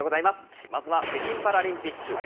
まずは北京パラリンピック。